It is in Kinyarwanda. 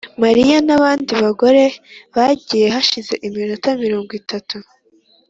mariya nabandi bagore bagiye hashize iminota mirongo itatu.